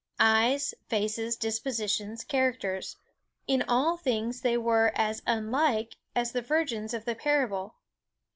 Eyes, faces, dispositions, characters, in all things they were as unlike as the virgins of the parable.